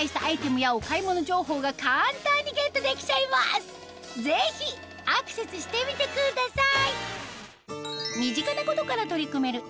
画面右上のぜひアクセスしてみてください